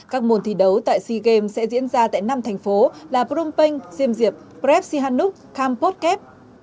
các môn thi đấu tại sea games sẽ diễn ra tại năm thành phố là brom penh siem diep preb sihanouk kampot kep